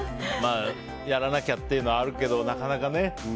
やらなきゃっていうのはあるけどなかなかね。